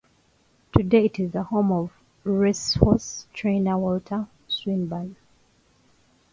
Today it is the home of racehorse trainer Walter Swinburn.